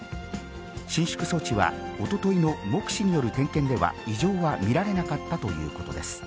伸縮装置は、おとといの目視による点検では、異常は見られなかったということです。